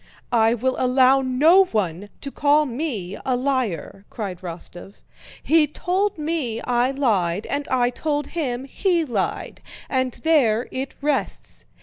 "I will allow no one to call me a liar!" cried Rostóv. "He told me I lied, and I told him he lied. And there it rests.